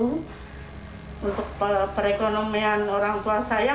untuk perekonomian orang tua saya